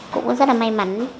cũng rất là may mắn